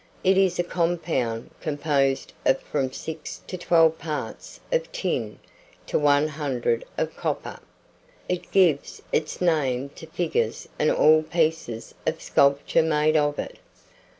It is a compound, composed of from six to twelve parts of tin to one hundred of copper. It gives its name to figures and all pieces of sculpture made of it.